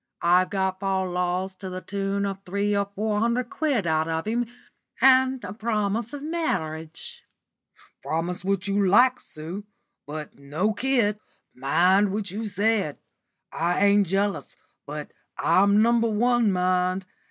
I've got fal lals to the tune of three or four hundred quid out of him, and a promise of marriage." "Promise what you like, Sue, but no kid. Mind what you said. I ain't jealous, but I'm No. 1, mind.